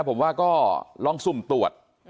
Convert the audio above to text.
ผมว่าก็ลองสุ่มตรวจ